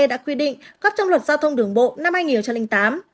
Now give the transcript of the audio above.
đã quy định cấp trong luật giao thông đường bộ năm hai nghìn tám